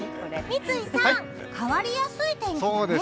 三井さん、変わりやすい天気だね。